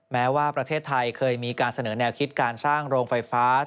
แม้ว่าประเทศไทยเคยมีการเสนอแนวคิดการสร้างโรงไฟฟ้า